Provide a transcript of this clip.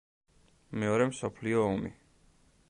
მეორე მსოფლიო ომი.